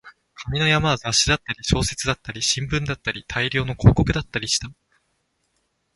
紙の山は雑誌だったり、小説だったり、新聞だったり、大量の広告だったりした